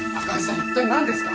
一体何ですか？